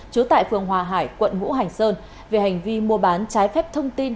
đồng hòa hải quận vũ hành sơn về hành vi mua bán trái phép thông tin